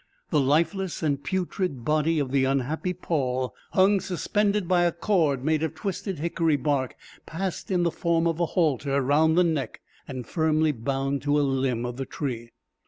The lifeless and putrid body of the unhappy Paul hung suspended by a cord made of twisted hickory bark, passed in the form of a halter round the neck, and firmly bound to a limb of the tree.